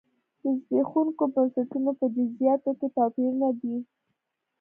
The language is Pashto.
د زبېښونکو بنسټونو په جزییاتو کې توپیرونه دي.